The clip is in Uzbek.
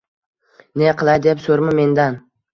Ne qilay, deb so’rma mendan